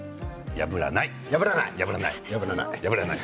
破らない。